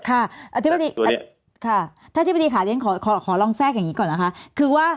ค่ะอธิบดีค่ะขอลองแทรกอย่างนี้ก่อนนะคะ